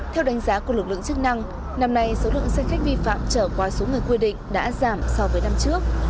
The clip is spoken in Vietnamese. theo đánh giá của lực lượng chức năng năm nay số lượng xe khách vi phạm trở qua số người quy định đã giảm so với năm trước